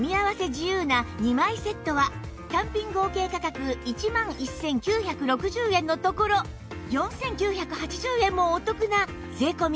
自由な２枚セットは単品合計価格１万１９６０円のところ４９８０円もお得な税込６９８０円